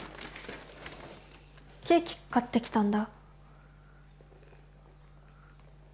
ケーキ買ってきたんだ